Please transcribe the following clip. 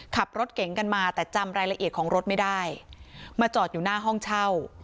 ขับรถเก่งกันมาแต่จำรายละเอียดของรถไม่ได้มาจอดอยู่หน้าห้องเช่า